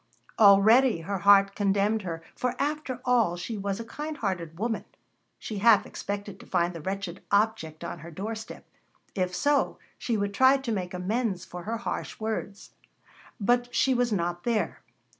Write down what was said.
Already her heart condemned her, for after all, she was a kind hearted woman. She half expected to find the wretched object on her doorstep. If so, she would try to make amends for her harsh words. But she was not there.